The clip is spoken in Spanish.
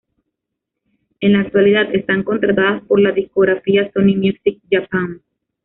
En la actualidad están contratadas por la discográfica Sony Music Japan.